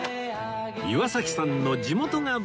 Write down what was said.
岩崎さんの地元が舞台